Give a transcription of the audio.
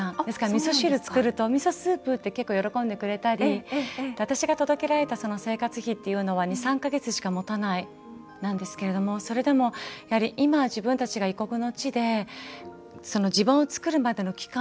みそ汁作るとミソスープ！って喜んでくれたり私が届けられた生活費っていうのは２３か月しかもたないんですけどもそれでも今、自分たちが異国の地で自分を作るまでの期間